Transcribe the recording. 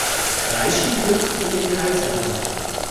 Kreischend hüpft sie im Kreis herum.